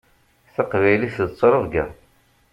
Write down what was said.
Taqbaylit d ttrebga.